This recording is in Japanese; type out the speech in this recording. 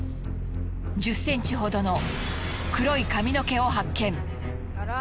１０センチほどの黒い髪の毛を発見。